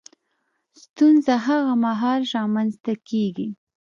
ستونزه هغه مهال رامنځ ته کېږي